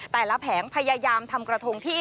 แผงพยายามทำกระทงที่